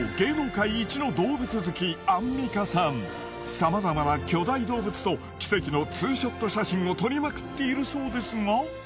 さまざまな巨大動物と奇跡の２ショット写真を撮りまくっているそうですが。